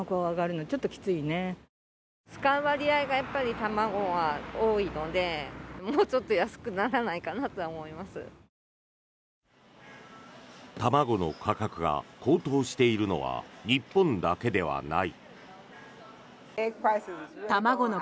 卵の価格が高騰しているのは日本だけではない。